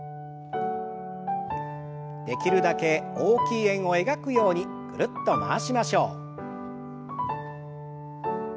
できるだけ大きい円を描くようにぐるっと回しましょう。